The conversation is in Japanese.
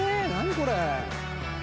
これ。